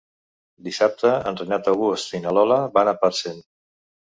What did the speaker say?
Dissabte en Renat August i na Lola van a Parcent.